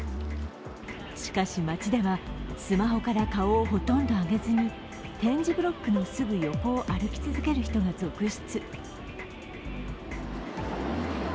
しかし、街ではスマホから顔をほとんど上げずに点字ブロックのすぐ横を歩き続ける人が続出。